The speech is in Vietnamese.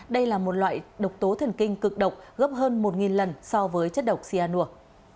đây là một loại độc tố thần kinh cực độc gấp hơn một lần so với chất độc cyanur